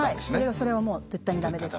はいそれはもう絶対にダメです。